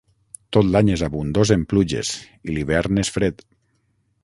Tot l'any és abundós en pluges, i l'hivern és fred.